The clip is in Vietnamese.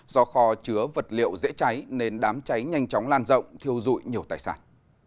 do kho chứa vật liệu dễ cháy nên đám cháy nhanh chóng lan rộng thiêu dụi nhiều tài sản